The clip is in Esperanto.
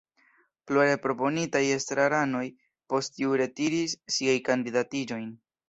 Pluraj proponitaj estraranoj post tio retiris siajn kandidatiĝojn.